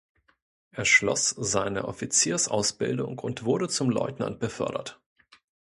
Er schloss seine Offiziersausbildung und wurde zum Leutnant befördert.